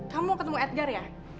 kamu ketemu edgar ya